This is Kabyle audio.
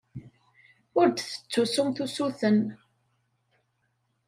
Ur d-tettessumt usuten.